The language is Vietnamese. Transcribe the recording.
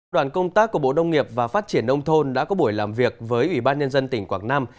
đoàn công tác của bộ nông nghiệp và phát triển nông thôn đã có buổi làm việc với ủy ban nhân dân tỉnh quảng nam